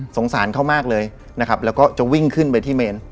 สงสารเขามากเลยนะครับแล้วก็จะวิ่งขึ้นไปที่เมน